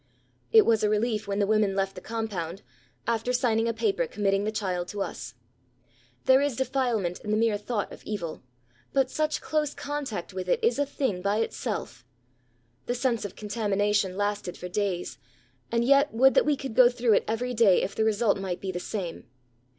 It was a relief when the women left the compound, after signing a paper committing the child to us. There is defilement in the mere thought of evil, but such close contact with it is a thing by itself. The sense of contamination lasted for days; and yet would that we could go through it every day if the result might be the same!